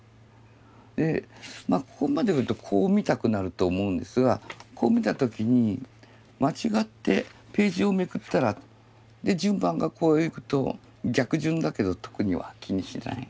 まあここまで見るとこう見たくなると思うんですがこう見た時に間違ってページをめくったら順番がこういくと逆順だけど特には気にしない。